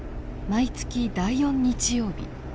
毎月第４日曜日